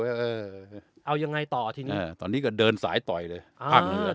เออเอายังไงต่อทีนี้ตอนนี้ก็เดินสายต่อยเลยภาคเหนือ